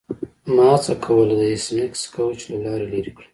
ما هڅه کوله د ایس میکس کوچ له لارې لیرې کړم